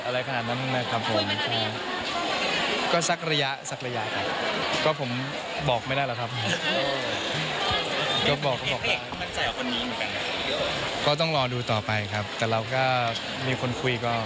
แล้วที่ถามว่าอย่างไรบ้าง